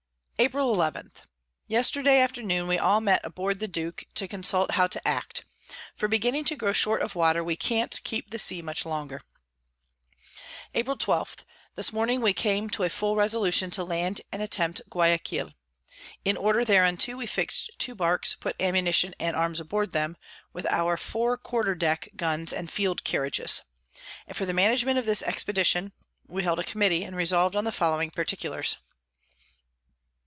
April 11. Yesterday afternoon we all met aboard the Duke, to consult how to act; for beginning to grow short of Water, we can't keep the Sea much longer. [Sidenote: From Lobos to the Northward.] April 12. This Morning we came to a full Resolution to land and attempt Guiaquil. In order thereunto we fix'd two Barks, put Ammunition and Arms on board them, with our four Quarter Deck Guns and Field Carriages. And for the Management of this Expedition, we held a Committee, and resolv'd on the following Particulars.